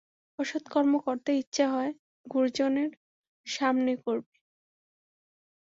অসৎ কর্ম করতে ইচ্ছা হয়, গুরুজনের সামনে করবে।